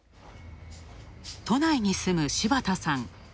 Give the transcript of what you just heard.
都内に住む柴田さん。